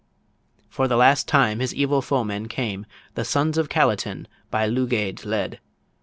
For the last time his evil foemen came; The sons of Calatin by Lugaid led.